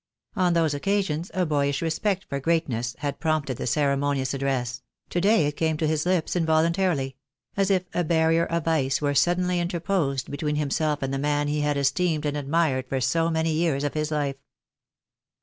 On those occasions a boyish respect for greatness had prompted the ceremonious address; to day it came to his lips involuntarily — as if a barrier of ice were suddenly interposed between himself and the man he had esteemed and admired for so many years of his life.